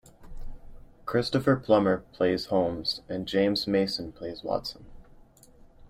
Christopher Plummer plays Holmes and James Mason plays Watson.